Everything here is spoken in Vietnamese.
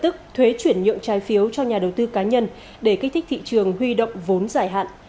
tức thuế chuyển nhượng trái phiếu cho nhà đầu tư cá nhân để kích thích thị trường huy động vốn giải hạn